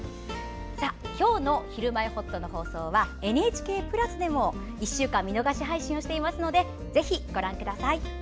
今日の「ひるまえほっと」の放送は「ＮＨＫプラス」でも１週間見逃し配信をしていますのでぜひご覧ください。